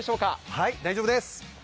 はい、大丈夫です。